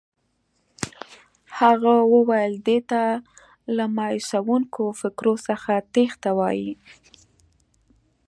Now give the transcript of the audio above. هغه وویل دې ته له مایوسوونکو فکرو څخه تېښته وایي.